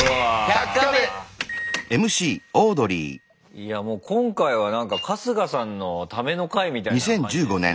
いやもう今回はなんか春日さんのための回みたいな感じですね。